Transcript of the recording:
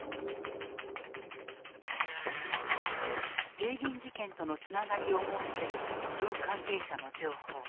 帝銀事件とのつながりを思わせる軍関係者の情報。